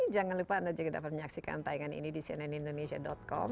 jangan lupa anda juga dapat menyaksikan tayangan ini di cnnindonesia com